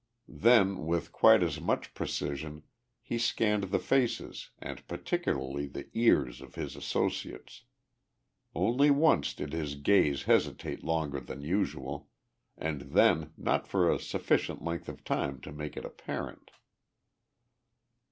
Then, with quite as much precision, he scanned the faces and particularly the ears of his associates. Only once did his gaze hesitate longer than usual, and then not for a sufficient length of time to make it apparent.